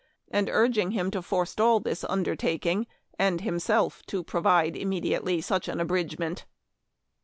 and urging him to forestall this undertaking, and himself to provide immediately such an abridgment.